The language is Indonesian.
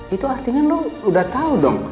itu artinya lo udah tau dong